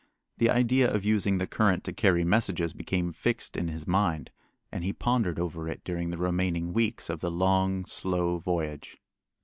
The idea of using the current to carry messages became fixed in his mind, and he pondered, over it during the remaining weeks of the long, slow voyage.